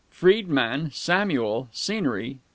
"Friedmann, Samuel ... Scenery